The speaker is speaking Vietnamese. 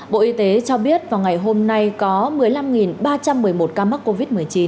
bộ y tế cho biết vào ngày hôm nay có một mươi năm ba trăm một mươi một ca mắc covid một mươi chín